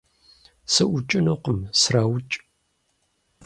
- СыӀукӀынукъым, сраукӀ!